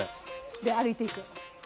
で歩いていく。